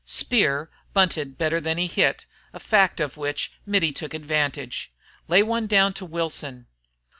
Speer bunted better than he hit, a fact of which Mittie took advantage. "Lay one down to Wilson."